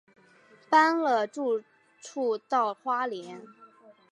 搬了住处到花莲